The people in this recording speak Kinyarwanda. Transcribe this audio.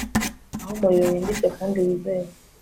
Aho umuriro wimbitse kandi wizewe